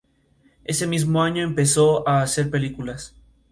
Ese mismo año empezó a hacer películas.